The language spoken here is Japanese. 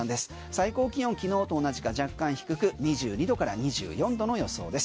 最高気温昨日と同じか若干低く２２度から２４度の予想です。